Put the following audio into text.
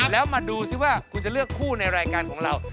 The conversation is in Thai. แล้วมาดูซิว่าคุณจะเลือกคู่ในรายการของเรา